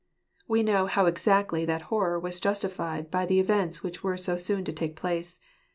We know how exactly that horror was justified by the events which were so soon to take place.